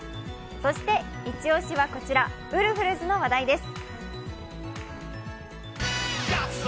そしてイチ押しはこちら、ウルフルズの話題です。